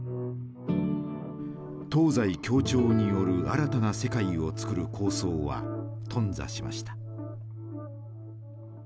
東西協調による新たな世界をつくる構想は頓挫しました。